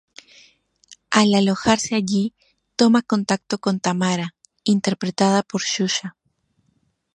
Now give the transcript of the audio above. Al alojarse allí toma contacto con Tamara, interpretada por Xuxa.